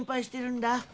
んだ。